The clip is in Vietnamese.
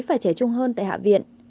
phải trẻ trung hơn tại hạ viện